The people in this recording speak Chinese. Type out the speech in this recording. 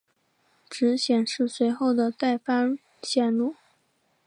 只显示随后的待发线路。